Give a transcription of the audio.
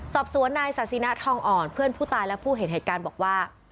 สอบสวนนายศาสินะทองอ่อนเพื่อนผู้ตายและผู้เห็นเหตุการณ์บอกว่า